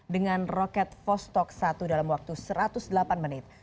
dengan roket fostok satu dalam waktu satu ratus delapan menit